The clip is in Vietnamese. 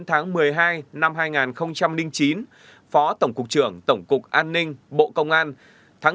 từ tháng sáu năm hai nghìn sáu đến tháng một mươi hai năm hai nghìn chín phó tổng cục trưởng tổng cục an ninh bộ công an